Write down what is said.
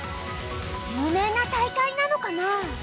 有名な大会なのかな？